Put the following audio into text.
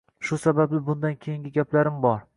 Shu sababli bundan keyingi gaplarim bor